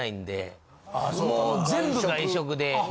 もう全部外食で。